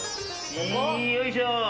よいしょ。